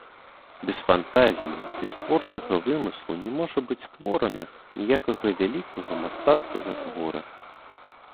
Без фантазіі, без творчага вымыслу не можа быць створана ніякага вялікага мастацкага твора.